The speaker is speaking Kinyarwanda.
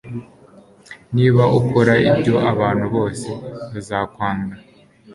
Niba ukora ibyo abantu bose bazakwanga